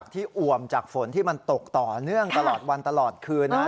อ่วมจากฝนที่มันตกต่อเนื่องตลอดวันตลอดคืนนะ